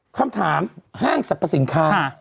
คำถามห้างสรรพสินค้า